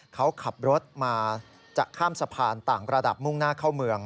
เขาขับรถมาจะข้ามสะพานต่างระดับมุ่งหน้าเข้าเมือง